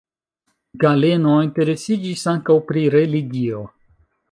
Galeno interesiĝis ankaŭ pri religio.